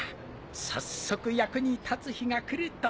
早速役に立つ日が来るとは。